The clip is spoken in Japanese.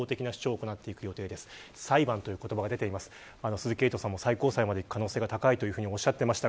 鈴木エイトさんも最高裁までいく可能性が高いとおっしゃってました。